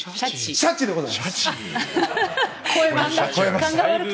シャチでございます。